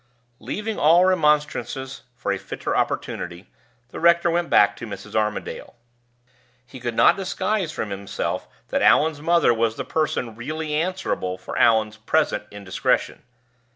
Leaving all remonstrances for a fitter opportunity, the rector went back to Mrs. Armadale. He could not disguise from himself that Allan's mother was the person really answerable for Allan's present indiscretion.